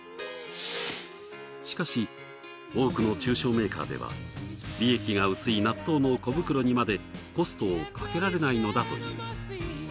しかし多くの中小メーカーでは利益が薄い納豆の小袋にまでコストをかけられないのだという。